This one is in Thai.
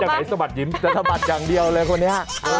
ไหนสะบัดยิ้มสะบัดอย่างเดียวเลยคนนี้